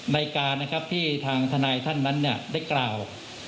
ในการนะครับที่ทางทนายท่านนั้นได้กล่าว